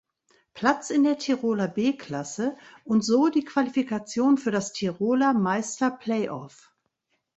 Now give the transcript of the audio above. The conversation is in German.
Platz in der Tiroler B-Klasse und so die Qualifikation für das Tiroler Meister Playoff.